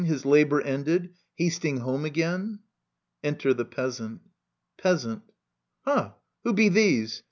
His labour ended, hasting home again ? Enter the Peasant. Peasant. Ha, who be these